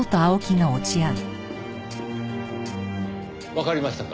わかりましたか？